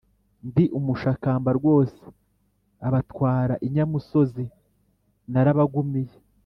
ndi umushakamba rwose, abatwara inyamusozi narabagumiye.